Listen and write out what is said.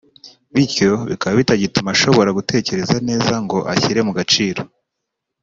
bityo bikaba bitagituma ashobora gutekereza neza ngo ashyire mu gaciro